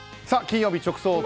さあ金曜日直送！